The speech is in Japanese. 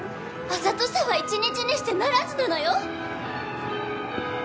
あざとさは一日にしてならずなのよ！